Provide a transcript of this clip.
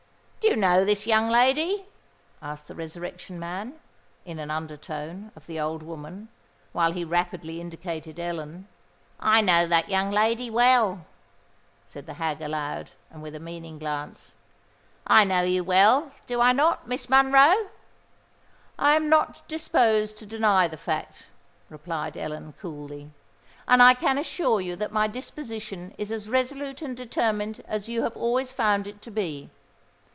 "Do you know this young lady?" asked the Resurrection Man, in an under tone, of the old woman, while he rapidly indicated Ellen. "I know that young lady well," said the hag aloud, and with a meaning glance: "I know you well,—do I not, Miss Monroe?" "I am not disposed to deny the fact," replied Ellen, coolly; "and I can assure you that my disposition is as resolute and determined as you have always found it to be.